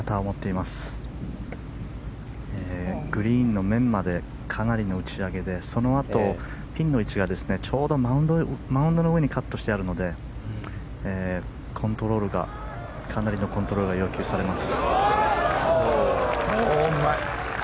グリーンの面までかなりの打ち上げでそのあと、ピンの位置がちょうどマウンドの上にカットしてあるので、かなりのコントロールが要求されます。